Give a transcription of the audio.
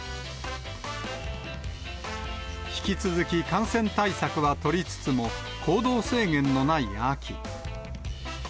引き続き感染対策は取りつつも、行動制限のない秋。